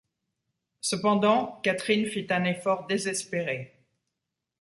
Cependant, Catherine fit un effort désespéré.